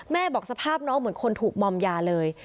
บอกสภาพน้องเหมือนคนถูกมอมยาเลย